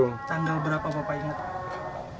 tanggal berapa bapak ingat